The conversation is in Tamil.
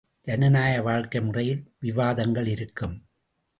ஜனநாயக வாழ்க்கை முறையில் விவாதங்கள் இருக்கும்.